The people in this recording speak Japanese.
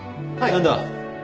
何だ？